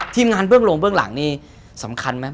ทีมงานเบื้องลงเบื้องหลังนี่สำคัญไหม